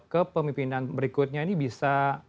kepemimpinan berikutnya ini bisa